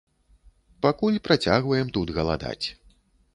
Пакуль працягваем тут галадаць.